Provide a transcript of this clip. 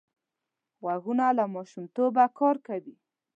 غوږونه له ماشومتوبه کار کوي